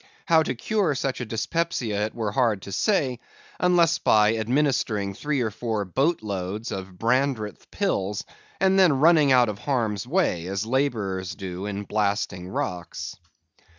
How to cure such a dyspepsia it were hard to say, unless by administering three or four boat loads of Brandreth's pills, and then running out of harm's way, as laborers do in blasting rocks.